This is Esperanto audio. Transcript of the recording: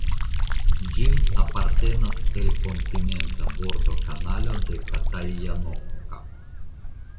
Ĝin apartenas el kontinenta bordo Kanalo de Katajanokka.